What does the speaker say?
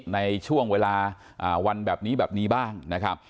ในช่วงเวลาวันแบบนี้แบบนี้บ้างนะครับ